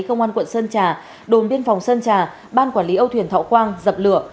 công an quận sơn trà đồn biên phòng sơn trà ban quản lý âu thuyền thọ quang dập lửa